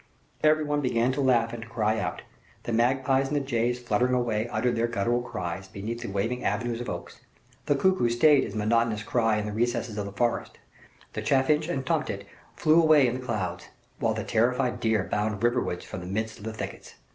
Every one began to laugh and to cry out. The magpies and the jays fluttered away uttering their guttural cries, beneath the waving avenues of oaks; the cuckoo staid his monotonous cry in the recesses of the forest; the chaffinch and tomtit flew away in clouds; while the terrified deer bounded riverwards from the midst of the thickets.